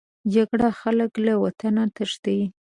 جګړه خلک له وطنه تښتي